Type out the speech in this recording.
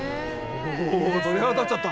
お鳥肌立っちゃった。